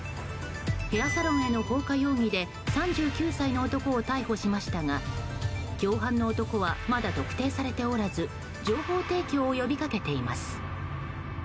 ヘアサロンへの放火容疑で３９歳の男を逮捕しましたが共犯の男はまだ特定されておらず情報提供を呼びかけています。